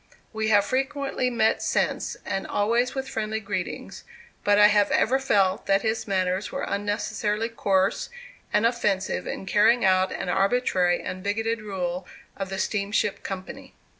We have frequently met since, and always with friendly greetings; but I have ever felt that his manners were unnecessarily coarse and offensive in carrying out an arbitrary and bigoted rule of the steamship company.